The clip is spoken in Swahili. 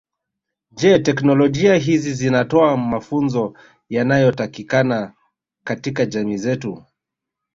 Je teknolojia hizi zinatoa mafunzo yanayotakikana katika jamii zetu